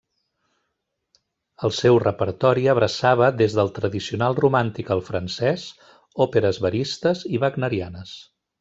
El seu repertori abraçava des del tradicional romàntic al francès, òperes veristes i wagnerianes.